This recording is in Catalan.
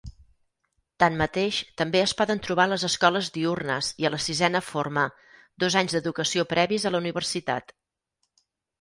Tanmateix, també és poden trobar a les escoles diürnes i a la sisena forma (dos anys d'educació previs a la universitat).